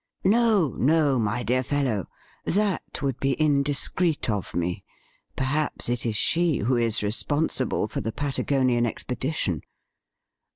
' No, no, my dear fellow ; that would be indiscreet of me. Perhaps it is she who is responsible for the Pata gonian expedition.